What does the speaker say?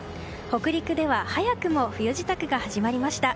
北陸では早くも冬支度が始まりました。